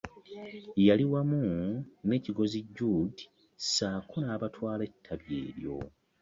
Yali wamu ne Kigozi Jude ssaako abatwala ettabi eryo.